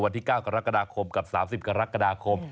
วันที่๙กรกฎาคมกับ๓๐กรกฎาคม